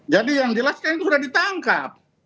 jadi yang jelas kan itu sudah ditangkap